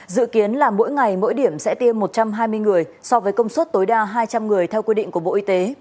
dự kiến là mỗi ngày mỗi điểm sẽ tiêm một trăm hai mươi người so với công suất tối đa hai trăm linh người theo quy định của bộ y tế